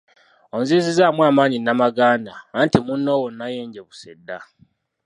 Onzizizzaamu amaanyi Namaganda, anti munnoowo nayenjebuse dda.